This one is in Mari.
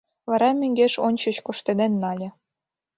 Вара мӧҥгеш-оньыш коштеден нале.